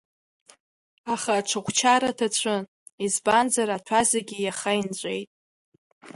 Аха аҽыхәчара ҭацәын, избанзар, аҭәа зегьы иаха инҵәеит.